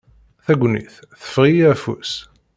Tagnit teffeɣ-iyi afus.